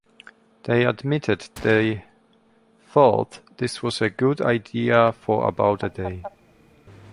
They admitted they thought this was a good idea for about a day.